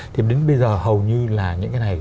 thì đến bây giờ hầu như là những cái này